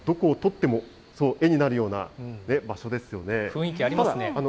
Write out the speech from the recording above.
どこをとってもそう、絵になるような場所ですよね。